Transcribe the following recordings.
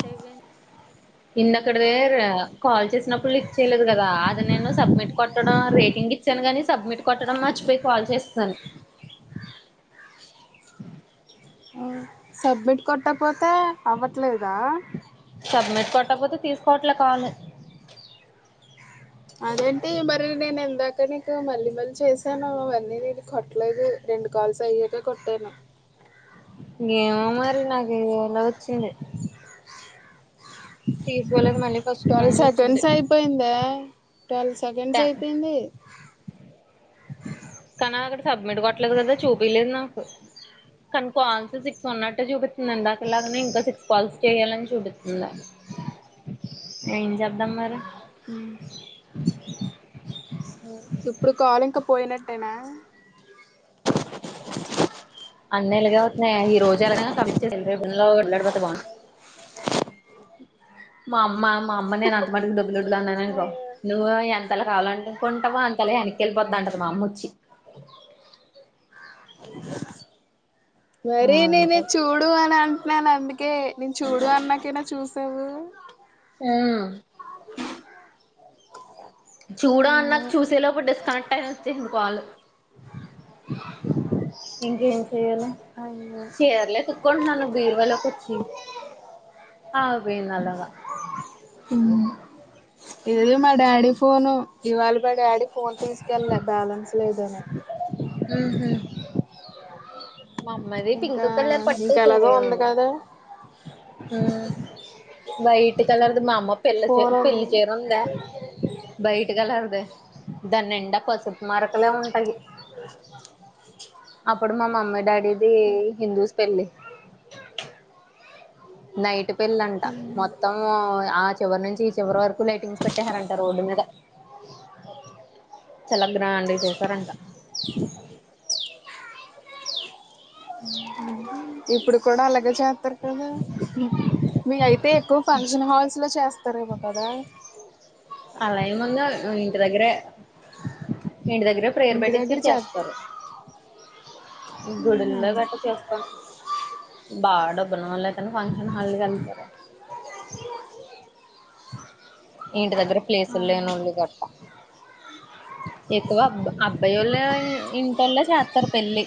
seven ఇంద అక్కడదే [unintelligible] call చేసినప్పుడు lift చేయలేదు కదా అది నేను సబ్మిట్ కొట్టడం రేటింగ్ ఇంగ్ ఇచ్చాను గాని సబ్మిట్ కొట్టడం మర్చిపోయి కాల్ చేస్సేను సబ్మిట్ కొట్టకపోతే అవ్వట్లేదా సబ్మిట్ కొట్టకపోతే తీసుకోవట్లే కాల్ అదేంటి మరి నేను ఇందాక నీకు మళ్ళీ మళ్ళీ చేసాను అవన్నీ నేను కొట్లేదు రెండు కాల్స్ అయ్యాక కొట్టాను [unintelligible] ఏమో మరి నాకిలా వచ్చింది ఫీజూ వోలెవ్ తెల్సా టెన్స్ అయిపోయిందే ట్వెల్వ్ సెకండ్స్ టెన్, అయిపోయింది కానీ అక్కడ సబ్మిట్ కొట్టలేదు కదా చూపిలేదు నాకు కానీ కాల్స్ సిక్స్ ఉన్నట్టు చూపిస్తుంది ఎందాకలాగనే ఇంకా సిక్స్ కాల్స్ చేయ్యాలని చూపిస్తుంది ఏం చెప్దాం మరి అ మ్ ఇప్పుడు కాల్ ఇంక పోయినట్టేనా అన్నలుగ అతున్నాయి ఈ రోజులా క రేపు వెలాడిపోతే బాగును మా అమ్మ మా అమ్మ నేను అంత మస్తమాటుకు డబ్బులు అన్నాననుకో అయ్యో నువ్వు ఎంతలా కావాలనుకుంటావో అం కాలే ఎనక్కేళ్లి పోద్ధి అంటాది మా అమ్మోచ్చి ఆ మరి నేనే ఇది అంటది చూడు అని అంటున్నాను అందుక్ ఓకే నేను చూడు అన్నాకైనా చూసావు ఆ చూడ అ నాక్ అదే చూసే లోపు డిస్కనెక్ట్ అని ఒచ్చేసింది కాలు ఇంకే చేయలే అయ్యో చీరలే తుకుంటున్నాను బీర్వాలోకోచ్చి ఆగిపోఇంది అలాగ ఇది మా డాడీ ఫోను ఇవాళ మా డాడీ ఫోన్ తీసుకెళ్ళ బ్యాలెన్స్ లేదని మ అమ్మది పింక్ ఇంకా కల్లర్ పట్టు ఇంకా ఎలాగో చీరె ఉంది కదా వైట్ కలర్ది మ అమ్మ పెళ్లి చిర్ పూర్వం పెళ్లి చిరుందా వైట్ కలర్ది దాని నిండా పసుపు మార్కలే ఉంటాయి అప్పుడు మా మమ్మీ డాడీది హిందూస్ పెళ్ళి నైట్ పెళ్ళంట మొత్తం ఆ చివరి నుంచి ఈ చివరి వరకు లైటింగ్స్ పెట్టేసారంట రోడ్డు మీద చాల గ్రాండ్ గా చేసారంట ఇప్పుడు కూడా అలాగే చేత్తరు కదా మీయ్యాయితే ఎక్కువ ఫంక్షన్ హాల్స్ లో చేస్తారేమొ కదా అలా ఏమంగా ఇంటి దగ్గరే ఇంటి దగ్గరే ప్రేర్ ఇంటి పెట్టించి దగ్గర చే చేస్తారు గుడుల్లో గట్ట చేస్తాన్ బాగా డబ్బన్న వాళ్ళైతేనే ఫంక్షన్ హల్ కి వెళ్తరు ఇంటి దగ్గర ప్లేసులు లేన్నోళ్లు గట్ట ఎక్కువ అబ్బ అబ్బాయోళ్ల ఇంటోల్లే చేత్తర్ పెళ్లి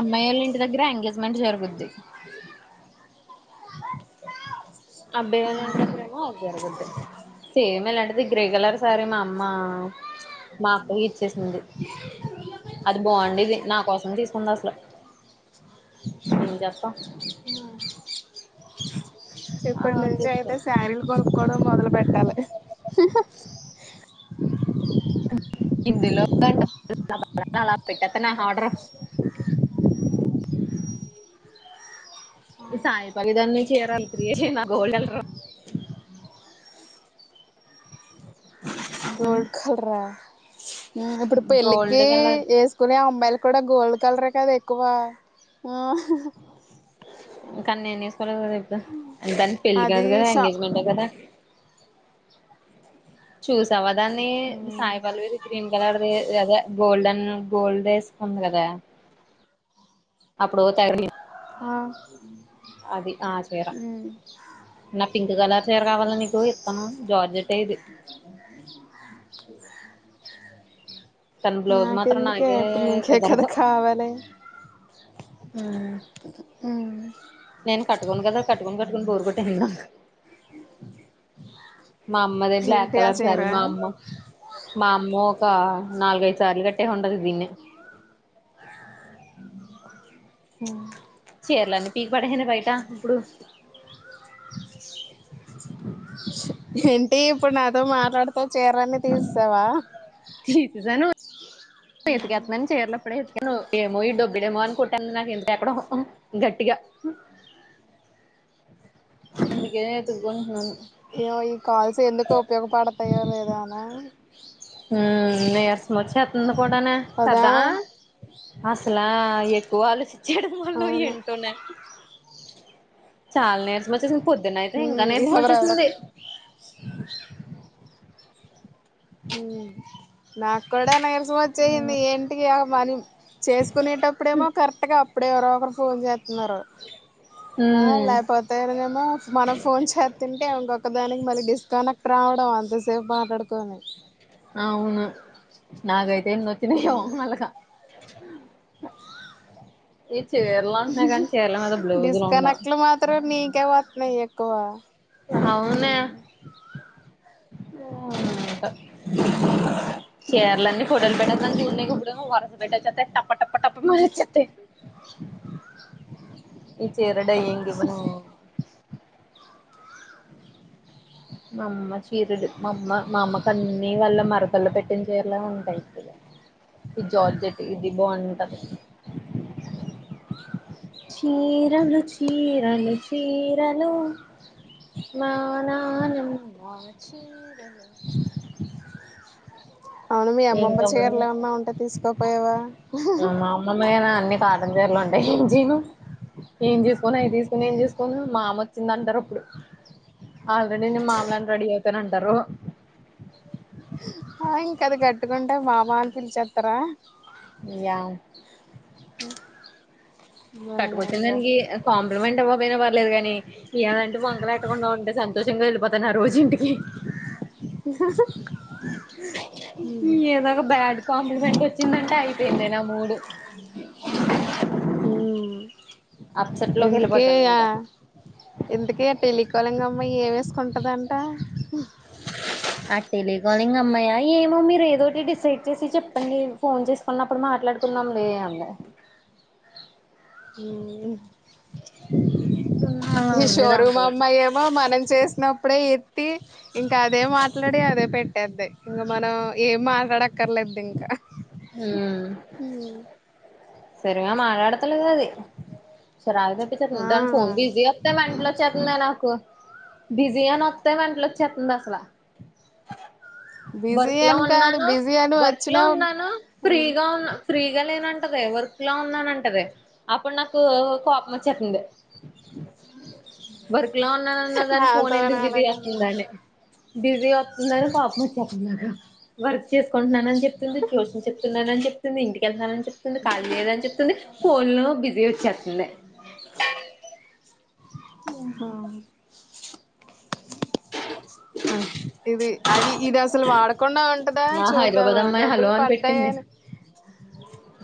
అమ్మాయి వాళ్ళ ఇంటి దగ్గర ఎంగేజ్మెంట్ జరుగుద్ది అబ్బాయివల్ల ఇంటి దగ్గరెమో అది జరుగుద్ది సేమ్ ఇలాంటిది గ్రే కలర్ సారీ మా అమ్మా మా అక్కయి ఇచ్చేసింది అది బాగుండేది నా కోసమే తీసుకుంది అసలు ఎం జెస్తాం ఇప్పటి నుంచి అయితే తీసుకెళ్తా శారీలు కొనుక్కోవడం మొదలు పెట్టాలి ఇందులో [unintelligible] తె అలా పెట్టేత్తను ఆర్డర్ సాయిపళ్లవి దాన్ని [unintelligible] గోల్ రా ఇప్పుడు గోల్డ్ పెళ్ళికి కలర్ వేసుకునే అమ్మాయిలు క్క గోల్డ్ కలర్ కదా ఎక్కువ ఆ కానీ నేను వేసుకోలేదు కదా ఇప్పుడు దానికి పెళ్లి అది కాదు కదా షా ఎంగేజ్మెంటే కదా చూసావా దాన్ని సాయిపల్లివి ఇది గ్రీన్ కలర్దిదే గోల్డెన్ గోల్డ్ వేసుకుంది కదా అప్పుడు తెగ ఆ హ్మ్ అది ఆ చీర నా పింక్ కలర్ చీర కావాల నీకు ఇస్తాను జార్జెట్ ఇది తన బ్లౌజ్ మాత్రం నాకెందుకే నాకే ఇప్పుడు నీకే కదా కుదరదు కావాలి ఉమ్ మ్ నేను కట్టుకోను కదా కట్టుకొని కట్టుకొని బోరుకొట్టేసింది నాకు మా అమ్మది బ్లాక్ ఏంటి ఆ కలర్ చీర సారి మా అమ్మ మామ్మో కా నాలుల్గైదు సార్లు గట్టే హండదు దీన్ని చేర్లన్ని పీకి పడేసానే బయట ఇప్పుడు ఏంటి ఇప్పుడు నాతో మాట్లాడితే చీరన్ని తీస్తావా తీ [inaudible] అతు చేర్లో అప్పుడ నువ్ ఏమో ఈ డబ్బుడేమో అని కొట్టాంది నాకు ఇంత ఎక్కడో గట్టిగా అందుకే ఎత్తుకుంటోనాను ఏయ్యో ఈ కాల్స్ ఎందుకు ఉపయోగపడతాయో లేదా అనా నీరసం వచ్చేస్తుంది కూడానే కదా అసలా ఎక్కువ ఆలోచించయడం వల్ల అవును ఎంటున్నాయి చాలా నేర్సం వచ్చేసి పొద్దున అయితే ఇంకా ఉమ్ నేర్సమ ఎవరెవరు వచ్చేసింది నాకు కూడా నిరసం వచ్చేయింది ఏంటికి మనీ చేసుకునేటప్పుడేమో కరెక్ట్గా అప్పుడేవరో ఒకరు ఫోన్ చేస్తున్నారు ఆ ఉమ్ లేకపోతేను కమో మన ఫోన్ చేతుంటే ఇంకొకదానికి మ డిస్కనెక్ట్ రావడం అంతసేపు మాట్లాడుకోని వును నాగైతే ఎన్న వచ్చినా అలగా ఈ చీరలు అంటున్నాయి కానీ చీరల మీద బ్లౌజులు ఉండవు డిస్కనెక్ట్లు మాత్రం నీకే వస్తున్నాయి ఎక్కువ అవునె ఏంటో చర్ల అన్నీ ఫోటోలు పెట్టని చూడడానికి ఇప్పుడు వరస పెట్టొచ్చా టప్ప టప్ప టప్ప మరచ్చాయి ఈ చీర డయ్యింగ్ ఇవ్వను మామ్మ చీరుడు మామ్మ మా అమ కన్నీ వాల్ల మరకల్లో పెట్టినంచరలా ఉంటాయి ఈ జార్జెట్ ఇది బాగుంటది చీరలు చీరలు చీరలు మానాల చీరలు అవును మీ అమ్మమ్మ ఇంకా చీరలు ఏమన్నా ఉంటే తీసుకోపోయవా ని కాటన్ చీరలు ఉంటాయి ఏంజెను ఏం చేసుకోను అవి తీసుకుొని ఏం చేసుకోను మామ వచ్చింది అంటారు అప్పుడు ఆల్రెడీ నేను మామలాగే రెడీ అవుతనానింటారు ఆ ఇంకాది గట్టుకుంటే మామ అని పిలిచేస్తారా యా బానే కట్టుకొచ్చిన ఉందా దానికి కాంప్లిమెంట్ ఇవ్వబోయినా పర్లేదు కానీ ఎవనంటే వంకలు ఎట్టకుండా ఉంటే సంతో చిన్నె ఎళ్ళిపోతన్న రోజు ఇంటికి ఏదొగా బ్యడ్కామ్ వెంట వచ్చిందంట అయిపోయిందనా మూడు అప్సెట్ లోకి ఎందుకే వెళ్ళిపోతాను ఆ ఇంకా ఎందుకే పెళ్లికళంగమ్మ ఏవే స్కుంటదంట ఆ టెలి కాలింగ్ అమ్మాయా ఏమో మీరు ఏదోటి డిసైడ్ చేసి చెప్పండి ఫోన్ చేసుకున్నప్పుడు మాట్లాడుకుందాం లే అంది ఉమ్ అలా ఈ ఉంది షోరూమ్ దాంతోటి అమ్మాయేమో మనం చేసినప్ అప్పుడే ఎత్తి ఇంకా అదే మాట్లాడి అదే పెట్టేది ఇంక మనం ఏం మాట్లాడక్కర్లేదు దింక ఊమ్ సరిగా మాట్లాడుతలేదది చిరాకు తెప్పించేతుంది ఆ దాని ఫోన్ బిజీ వత్తే మెంటల్ ఒచ్చేతుందే నాకు బిజీ అనొత్తే మెంటల్ ఒచ్చేతంది అసలు బిజీ వర్క్ లో అని కాదు ఉన్నాను బిజీ అని వర్క్ లో వచ్చినా ఉన్నాను ఫ్రీగా ఉన్నా ఫ్రీగా లేనంటది వర్క్ లో ఉన్నానంటది అప్పుడు నాకు కోపం వచ్చేతుంది వర్క్ లో ఉన్నానన్న దాని ఫోన్ ఎందుకు నాతోనే బిజీ అలాగే ఉంది వత్తుందని బిజీ ఒ న్నారు కోపం వచ్చేతుంది నాకు వర్క్ చేసుకుంటున్నానని చెప్తుంది ట్యూషన్ చెప్తున్నానని చెప్తుంది ఇంటి అని చెప్తుంది ఫోన్ లో బిజీ వచ్చేత్తుంది అవును ఇది అది ఇది అసలు వాడకుండా ఉంటదా ఆ హైదరాబాద్ చూద్దాము అమ్మాయి హలో డబ్బులు అని పెట్టింది పడ్డాయని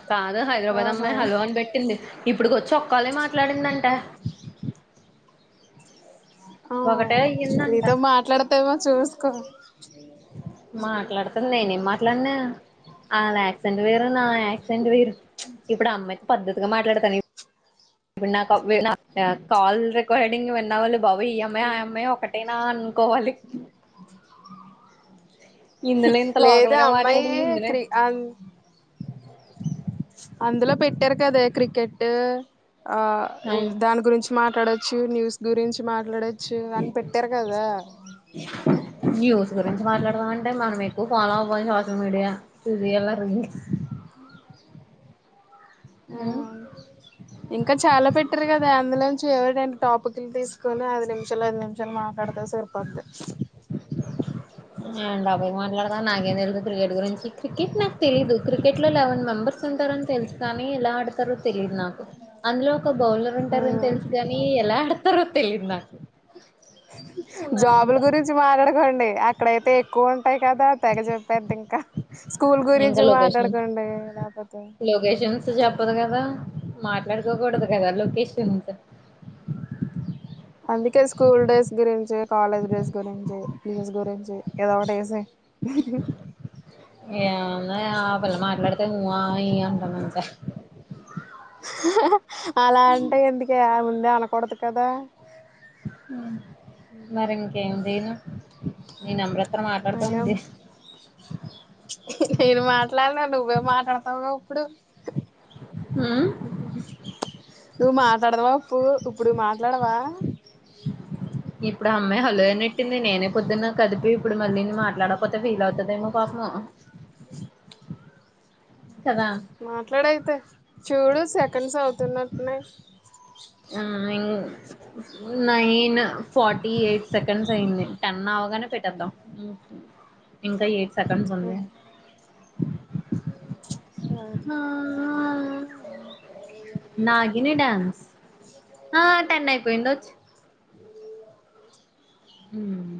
కాదు హైదరాబాద్ ఓహో అమ్మాయి హలో అని పెట్టింది ఇప్పుడు గొచ్చి ఒక్కాలే మాట్లాడిందంట ఆ ఒకటే అయ్యిందంట మీతో మాట్లాడతేమో చూసుకో మాట్లాడుతది నేనే మా అట్లనే అలాక్సిడెంట్ వేరు నా యాక్సిడెంట్ వేరు ప్చ్ ఇప్పుడు ఆ అమ్మాయి పద్ధతిగా మాట్లాడతాని ఇప్పుడు నా కాల్ రికార్డింగ్ విన్నవాళ్ళు బాబోయ్ ఈ అమ్మాయ్ ఆ అమ్మాయ్ ఒకటేనా అనుకోవాలి హుమ్ ఇందులో ఇంత లేదు లోకల్గా ఆ అమ్మాయి మాట్లాడింది ఇందులో క్రి అన్ అందులో పెట్టారు కదే క్రికెట్ ఆ దాని గురించి మాట్లాడచ్చు న్యూస్ గురించి మాట్లాడొచ్చు అని పెట్టారు కదా న్యూస్ గురించి మాట్లాడదామంటే మనం ఎక్కువ ఫాలో అవ్ సోషల్ మీడియా చూస్యాల రీల్స్ ఆ ఇంకా చాలా పెట్టరు కదా అందులో ఏవో రెండు టాపిక్లు తీసుకొని ఐదు నిమిషాలు ఐదు నిమిషాలు మాట్లాడితే సరిపోద్ది అ డాబయికి మాట్లాడతా నాకేం తెలుదు క్రికెట్ గురించి క్రికెట్ నాకు తెలీదు క్రికెట్ లో లెవెన్ మెంబర్స్ ఉంటారని తెలుసు కానీ ఎలా ఆడతారో తెలీదు నా అందులో ఒక బౌలర్ ఉంటరని తెలుసు గాని ఎలా ఆడతారో తెలీదు నాకు ఉన్నాను జాబుల ఇంకా గురించి మాట్లాడకండి అక్కడైతే ఎక్కువ టాయి కదా తెగ చెప్పేదింక స్కూల్ ఇంకా గురించి మాట్లాడుకోండి లేకపోతే యెషన్స్ జెప్ తప్పదు కదా మాట్లాడుకోకుడదు కదా లొకేషన్స్ అందుకే స్కూల్ డేస్ గురించి కాలేజ్ డేస్ గురించి ఫీజ్ గురించి ఏదో ఒకటెసేయ్ [unintelligible] వా ఈ అంటదంట హహ అలా అంటే ఎందుకే ఆ ముందే అనకూడదు కదా ఉ మరింకేదిన నీ నమ్రత్ తను అయినా మాట్లాడుతుంది నేను మాట్లాడ్నా నువ్వే మాట్లాడతవుగుప్పుడు ఉమ్ నువ్వు మాటడ్దవో ప్పు ఇప్పుడు మాట్లాడవా ఇప్పుడామ్మాయి హలో నెట్టింది నేనే పొద్దున్న కదిపి ఇప్పుడు మళ్ళీని మాట్లాడపోతే ఫీల్ అవుతదేమో పా అ ఆ కదా మాట్లాడైతే చూడు సెకండ్స్ అవుతున్నట్నై ఆ ఇం nine forty eight seconds అయింది టెన్ అవగానే పెట్టద్దాం ఇంకా ఏటి సెకండ్స్ ఉంది సరే హా నాగిని డ్యాన్స్ ఆ టెన్నైపోయిందోచ్ హ్మ్